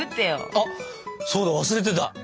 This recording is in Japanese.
あっそうだ忘れてた。